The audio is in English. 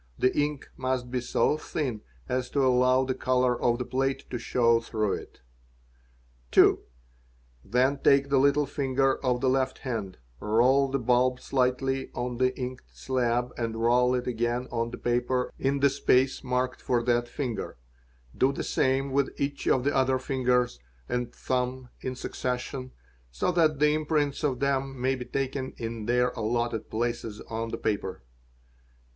The ink must be so thin as ~ to allow the color of the plate to show through it. | "qi) Then take the little finger of the left hand, roll the bulb slightly on the inked slab and roll it again on the paper in the space marked for that finger; do the same with each of the other fingers and thumb in succession so that the imprints of them may be taken in thei | allotted places on the paper.